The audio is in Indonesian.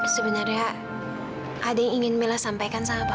sebenarnya ada yang ingin mila sampaikan sama pak